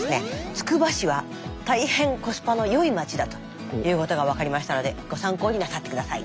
つくば市は大変コスパの良い町だということが分かりましたのでご参考になさって下さい。